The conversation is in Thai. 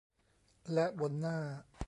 และบนหน้า